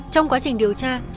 trong quá trình điều tra